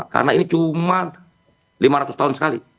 karena ini cuma lima ratus tahun sekali